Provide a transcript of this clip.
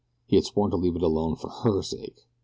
He had sworn to leave it alone for HER sake!